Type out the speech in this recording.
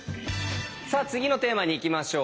さあ次のテーマにいきましょう。